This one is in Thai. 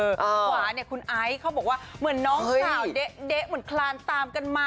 ขวาเนี่ยคุณไอซ์เขาบอกว่าเหมือนน้องสาวเด๊ะเหมือนคลานตามกันมา